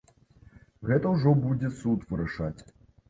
Гэта ўжо будзе суд вырашаць.